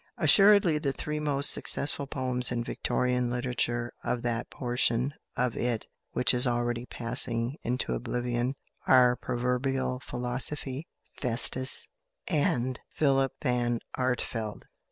Assuredly, the three most successful poems in Victorian literature, of that portion of it which is already passing into oblivion, are "Proverbial Philosophy," "Festus," and "Philip Van Artevelde."